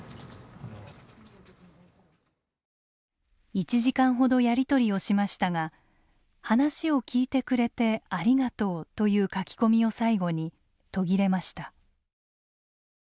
１時間ほどやり取りをしましたが「話を聞いてくれてありがとう」という書き込みを最後に途切れました。